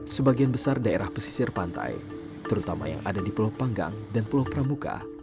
sebagian besar daerah pesisir pantai terutama yang ada di pulau panggang dan pulau pramuka